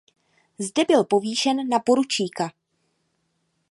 Zde byl povýšen na poručíka.